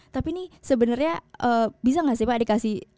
tapi nih sebenernya bisa gak sih pak dikasih